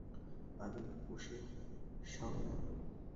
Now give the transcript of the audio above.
আমি, ঊশিয়ান, শাওহেই।